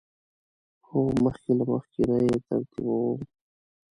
هو، مخکې له مخکی نه یی ترتیبوم